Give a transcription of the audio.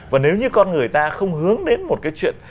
và nếu như con người ta không hướng đến một cái chuyện